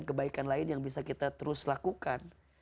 kebaikan lain yang bisa kita terus lakukan